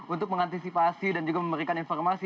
untuk mengantisipasi dan juga memberikan informasi